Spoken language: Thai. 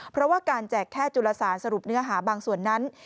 เพราะว่าการแจกแค่จุลสารสรุปเนื้อหาบางส่วนนั้น